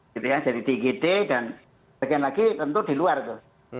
jadi di igd dan bagian lagi tentu di luar itu